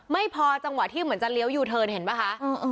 ไม่พอจังหวะที่เหมือนจะเลี้ยวยูเทิร์นเห็นป่ะคะ